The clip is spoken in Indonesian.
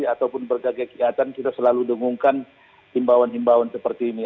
ataupun berbagai kegiatan kita selalu dengungkan himbauan himbauan seperti ini